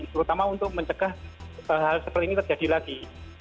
terutama untuk mencegah hal seperti ini terjadi lagi